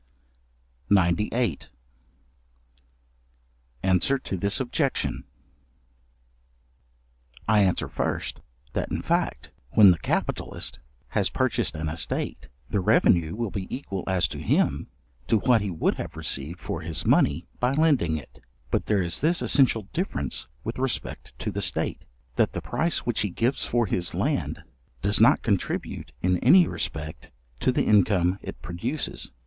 §98. Answer to this objection. I answer first, that in fact, when the capitalist has purchased an estate, the revenue will be equal as to him, to what he would have received for his money by lending it; but there is this essential difference with respect to the state, that the price which he gives for his land, does not contribute in any respect to the income it produces.